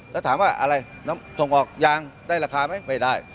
แล้วถามว่าอะไรส่งออกยางได้ราคาไหมไม่ได้